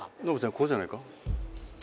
ここじゃないか？